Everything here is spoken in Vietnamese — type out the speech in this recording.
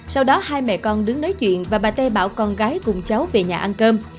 sau đó hai mẹ con đứng nói chuyện và bà tê bảo con gái cùng cháu về nhà ăn cơm